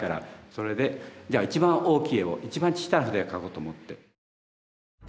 それでじゃあ一番大きい絵を一番小さな筆で描こうと思って。